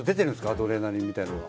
アドレナリンみたいなのが。